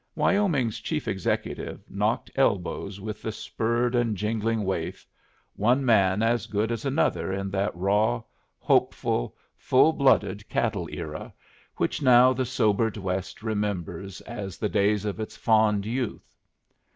Wyoming's Chief Executive knocked elbows with the spurred and jingling waif, one man as good as another in that raw, hopeful, full blooded cattle era, which now the sobered West remembers as the days of its fond youth.